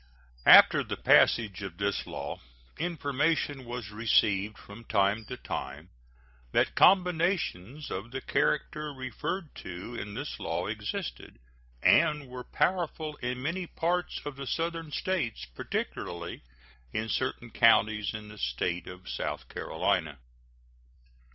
After the passage of this law information was received from time to time that combinations of the character referred to in this law existed and were powerful in many parts of the Southern States, particularly in certain counties in the State of South Carolina.